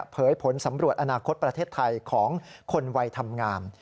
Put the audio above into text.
ผลสำรวจอนาคตประเทศไทยของคนวัยทำงาน